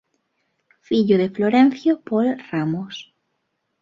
Fillo de Florencio Pol Ramos.